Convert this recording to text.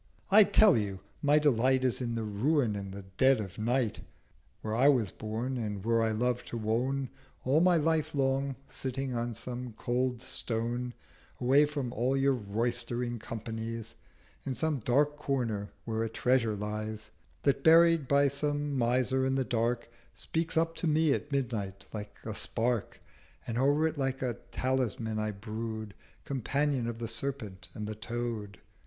—'I tell you, my Delight Is in the Ruin and the Dead of Night Where I was born, and where I love to wone All my Life long, sitting on some cold stone Away from all your roystering Companies, In some dark Corner where a Treasure lies; That, buried by some Miser in the Dark, Speaks up to me at Midnight like a Spark; 340 And o'er it like a Talisman I brood, Companion of the Serpent and the Toad.